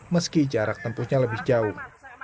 meski jarak tempuhnya lebih jauh